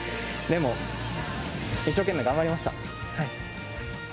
でも、一生懸命頑張りました。